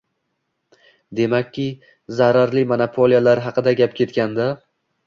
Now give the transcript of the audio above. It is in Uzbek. Demakki, zararli monopoliyalar haqida gap ketganda